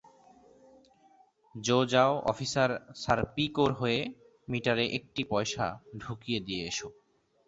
জো যাও অফিসার সারপিকোর হয়ে মিটারে একটি পয়সা ঢুকিয়ে দিয়ে এসো।